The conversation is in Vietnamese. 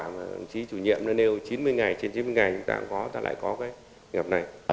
chí chủ nhiệm nó nêu chín mươi ngày trên chín mươi ngày chúng ta lại có cái nghiệp này